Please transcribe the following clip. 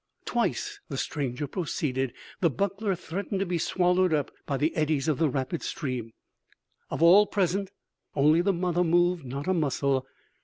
"Twice," the stranger proceeded, "the buckler threatened to be swallowed up by the eddies of the rapid stream. Of all present, only the mother moved not a muscle.